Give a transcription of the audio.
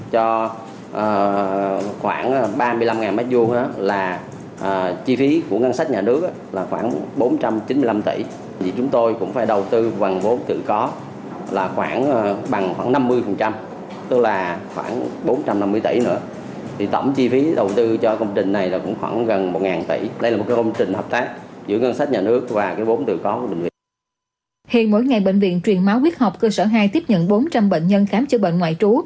hiện mỗi ngày bệnh viện truyền máu huyết học cơ sở hai tiếp nhận bốn trăm linh bệnh nhân khám chữa bệnh ngoại trú